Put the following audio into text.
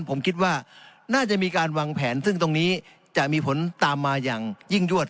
ผมคิดว่าน่าจะมีการวางแผนซึ่งตรงนี้จะมีผลตามมาอย่างยิ่งยวด